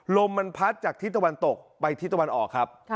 ลมมันพัดจากทิศตะวันตกไปทิศตะวันออกครับ